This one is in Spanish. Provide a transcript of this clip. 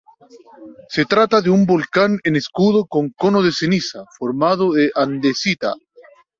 Se trata de un volcán en escudo con cono de ceniza, formado de andesita.